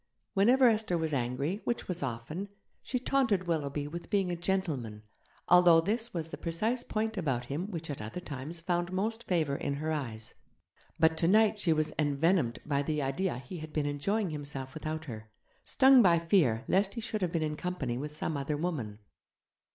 Whenever Esther was angry, which was often, she taunted Willoughby with being 'a gentleman', although this was the precise point about him which at other times found most favour in her eyes. But tonight she was envenomed by the idea he had been enjoying himself without her, stung by fear lest he should have been in company with some other woman.